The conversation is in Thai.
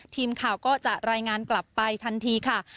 ทีมข่าวก็จะรายงานกลับไปทันทีค่ะ